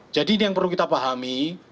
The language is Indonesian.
jadi ini yang perlu kita pahami